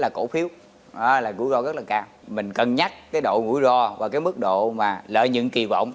là trái phiếu là của con rất là cao mình cân nhắc cái độ rủi ro và cái mức độ mà lợi nhuận kỳ vọng